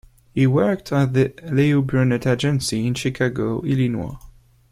He worked at the Leo Burnett agency in Chicago, Illinois.